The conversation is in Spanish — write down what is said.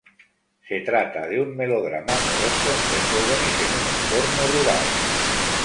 Se trata de un melodrama amoroso entre jóvenes en un entorno rural.